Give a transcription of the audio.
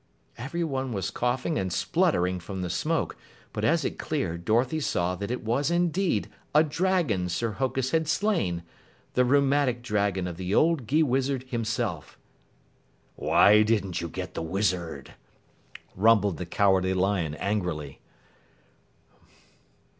Everyone was coughing and spluttering from the smoke, but as it cleared Dorothy saw that it was indeed a dragon Sir Hokus had slain, the rheumatic dragon of the old Gheewizard himself. "Why didn't you get the wizard?" rumbled the Cowardly Lion angrily.